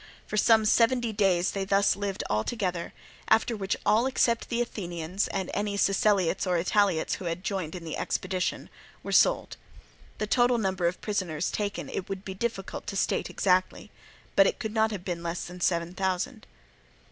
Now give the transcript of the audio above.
For some seventy days they thus lived all together, after which all, except the Athenians and any Siceliots or Italiots who had joined in the expedition, were sold. The total number of prisoners taken it would be difficult to state exactly, but it could not have been less than seven thousand.